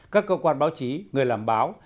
các cơ quan báo chí người làm báo